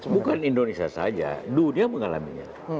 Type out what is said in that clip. bukan indonesia saja dunia mengalaminya